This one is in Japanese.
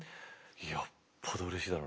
よっぽどうれしいだろうね。